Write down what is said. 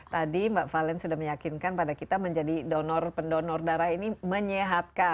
tadi mbak valen sudah meyakinkan pada kita menjadi donor pendonor darah ini menyehatkan